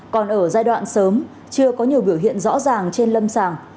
còn ở giai đoạn sớm chưa có nhiều biểu hiện rõ ràng trên lâm sàng